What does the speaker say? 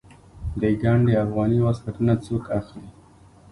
د ګنډ افغاني واسکټونه څوک اخلي؟